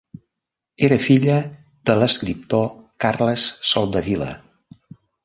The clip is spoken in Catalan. Era filla de l'escriptor Carles Soldevila.